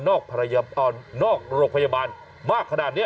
นอกโรงพยาบาลมากขนาดนี้